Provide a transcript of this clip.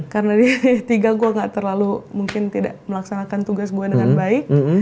karena di tiga gue gak terlalu mungkin tidak melaksanakan tugas gue dengan baik